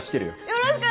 よろしく！